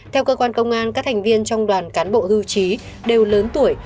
theo cơ quan công an các thành viên trong đoàn cán bộ hưu trí đều lớn tuổi